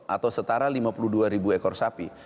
atau setara lima puluh dua ribu ekor sapi